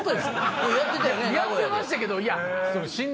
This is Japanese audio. やってましたけど。